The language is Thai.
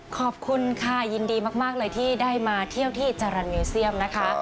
ขอบคุณค่ะยินดีมากเลยที่ได้มาเที่ยวที่จารันยูเซียมนะคะ